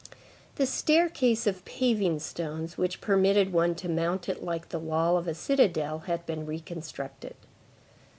The staircase of paving stones which permitted one to mount it like the wall of a citadel had been reconstructed.